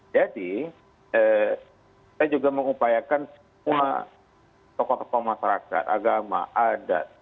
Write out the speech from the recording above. jadi saya juga mengupayakan semua tokoh tokoh masyarakat agama adat